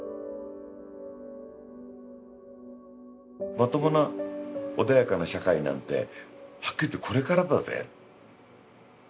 まともな穏やかな社会なんてはっきり言ってこれからだぜって。